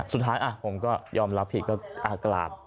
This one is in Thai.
สุดท้ายผมก็ยอมรับผิดก็กราบ